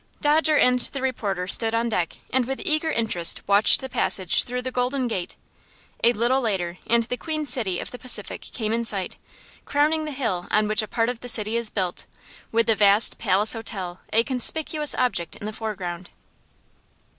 Dodger and the reporter stood on deck, and with eager interest watched the passage through the Golden Gate. A little later and the queen city of the Pacific came in sight, crowning the hill on which a part of the city is built, with the vast Palace Hotel a conspicuous object in the foreground.